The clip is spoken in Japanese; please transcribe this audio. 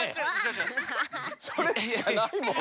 それしかないもんね。